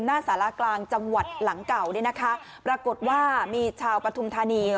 สารากลางจังหวัดหลังเก่าเนี่ยนะคะปรากฏว่ามีชาวปฐุมธานี